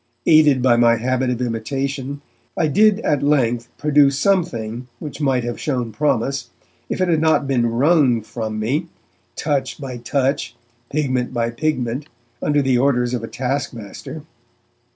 Aided by my habit of imitation, I did at length produce some thing which might have shown promise, if it had not been wrung from me, touch by touch, pigment by pigment, under the orders of a task master.